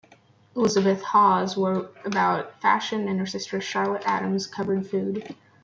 Elizabeth Hawes wrote about fashion, and her sister Charlotte Adams covered food.